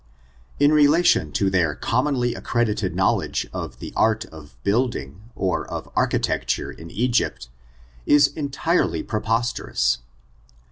In relation to their commonly accredited knowledge of the art of building, or of architecture, in Egypt, is entirely preposterous.